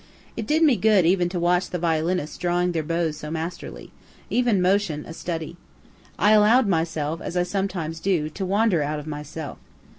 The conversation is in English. It did me good even to watch the violinists drawing their bows so masterly every motion a study. I allow'd myself, as I sometimes do, to wander out of myself.